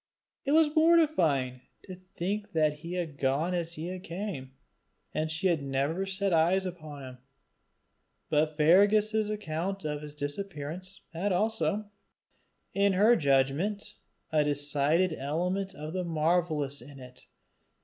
It was mortifying to think that he had gone as he came, and she had never set eyes upon him. But Fergus's account of his disappearance had also, in her judgment, a decided element of the marvellous in it.